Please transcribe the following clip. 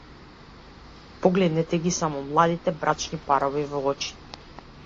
Погледнете ги само младите брачни парови в очи.